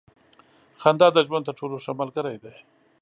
• خندا د ژوند تر ټولو ښه ملګری دی.